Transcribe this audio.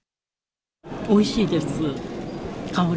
おいしいです。